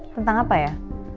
tentang apa ya